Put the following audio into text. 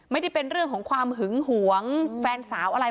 ไม่ได้เป็นเรื่องของความหึงหวงแฟนสาวอะไร